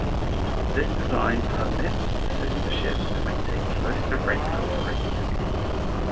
This design permits the sister ships to maintain close to regular operating speed.